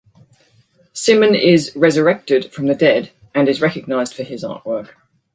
Simen is "resurrected" from the dead and is recognized for his artwork.